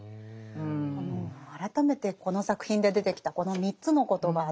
改めてこの作品で出てきたこの３つの言葉。